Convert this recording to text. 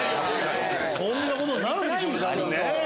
そんなことになるんでしょうね。